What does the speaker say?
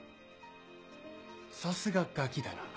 さすがガキだな。